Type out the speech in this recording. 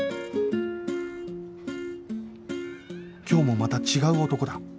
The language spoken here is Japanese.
今日もまた違う男だ